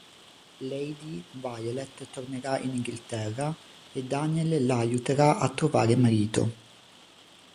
Lady Violet tornerà in Inghilterra e Daniel la aiuterà a trovare marito.